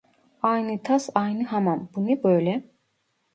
Aynı tas aynı hamam bu ne böyle